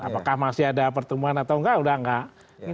apakah masih ada pertemuan atau enggak udah enggak